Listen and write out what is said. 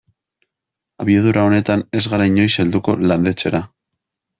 Abiadura honetan ez gara inoiz helduko landetxera.